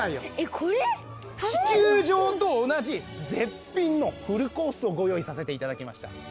地球上と同じ絶品のフルコースをご用意させていただきました。